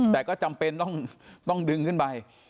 แต่ก็จำเป็นต้องดึงขึ้นไป